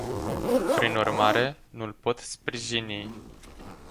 Prin urmare, nu îl pot sprijini.